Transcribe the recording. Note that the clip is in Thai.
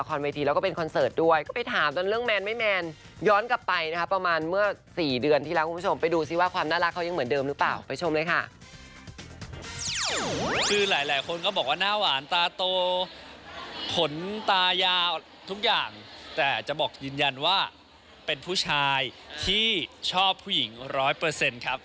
คือหลายคนก็บอกว่าหน้าหวานตาโตขนตายาวทุกอย่างแต่จะบอกยืนยันว่าเป็นผู้ชายที่ชอบผู้หญิงร้อยเปอร์เซ็นต์ครับ